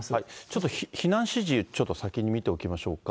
ちょっと避難指示、ちょっと先に見ておきましょうか。